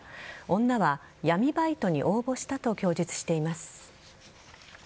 女は闇バイトに応募したと供述しています。